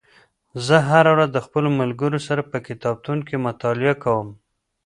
زه هره ورځ د خپلو ملګرو سره په کتابتون کې مطالعه کوم